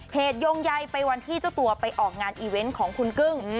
โยงใยไปวันที่เจ้าตัวไปออกงานอีเวนต์ของคุณกึ้ง